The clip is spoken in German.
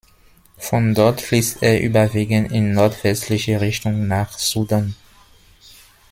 Von dort fließt er überwiegend in nordwestliche Richtung nach Sudan.